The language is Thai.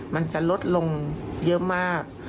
มันจะลดลงเยอะมาก